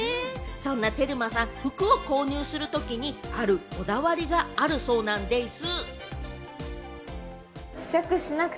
そんなテルマさん、服を購入するときに、あるこだわりがあるそうなんでぃす。